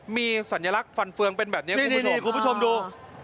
มีสัญลักษณ์ฟันเฟืองเป็นแบบนี้คุณผู้ชมคุณผู้ชมดู